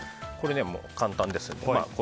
簡単ですので。